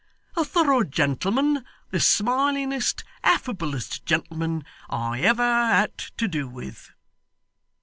A thorough gentleman; the smilingest, affablest gentleman I ever had to do with.